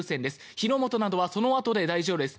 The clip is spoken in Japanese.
火の元などはそのあとで大丈夫です。